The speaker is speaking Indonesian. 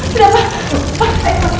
tidak ada yang keluar lagi